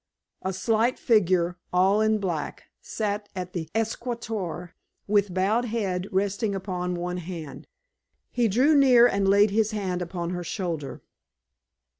A slight figure, all in black, sat at the escritoire, with bowed head resting upon one hand. He drew near and laid his hand upon her shoulder.